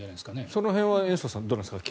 その辺は延増さんどうなんでしょうか。